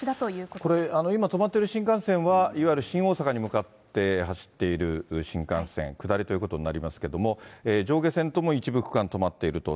これ、今、止まっている新幹線は、いわゆる新大阪に向かって走っている新幹線、下りということになりますけども、上下線とも一部区間止まっていると。